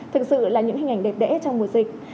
thực sự là những hình ảnh đẹp đẽ trong mùa dịch